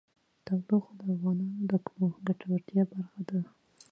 تودوخه د افغانانو د ګټورتیا برخه ده.